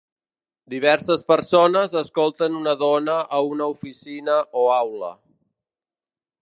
Diverses persones escolten una dona a una oficina o aula.